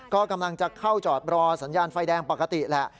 ก็กำลังจะเข้าจอดรอสัญญาณไฟแดงปกติแหละ